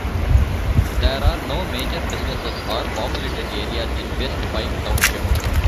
There are no major businesses or populated areas in West Pike Township.